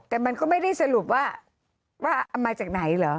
แต่มันก็ไม่ได้สรุปว่าเอามาจากไหนเหรอ